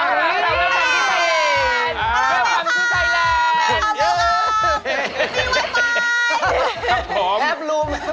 ฮัลโหลแม่ฟังที่ไทยเลนด์เยอะมากครับ